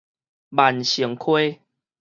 萬盛溪